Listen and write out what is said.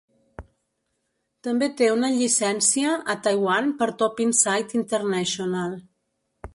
També té una llicencia a Taiwan per Top-Insight International.